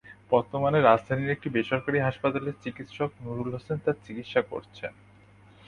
বর্তমানে রাজধানীর একটি বেসরকারি হাসপাতালের চিকিৎসক নূরুল হোসেন তার চিকিৎসা করছেন।